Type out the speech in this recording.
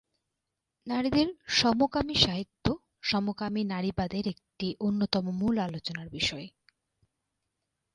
নারীদের সমকামী সাহিত্য সমকামী নারীবাদের একটি অন্যতম মূল আলোচনার বিষয়।